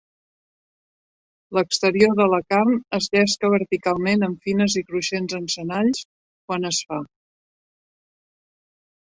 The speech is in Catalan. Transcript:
L'exterior de la carn es llesca verticalment en fines i cruixents encenalls quan es fa.